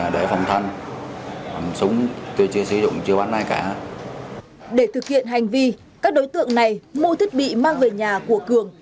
để thực hiện hành vi các đối tượng này mua thiết bị mang về nhà của cường